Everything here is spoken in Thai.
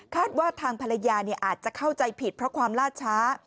ว่าทางภรรยาอาจจะเข้าใจผิดเพราะความล่าช้า